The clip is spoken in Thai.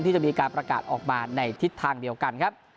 ที่จะมีการประกาศออกมาในทิศทางเดียวกันครับ